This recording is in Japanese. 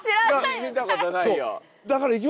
見たことないよ。